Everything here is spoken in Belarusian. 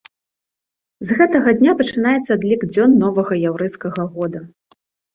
З гэтага дня пачынаецца адлік дзён новага яўрэйскага года.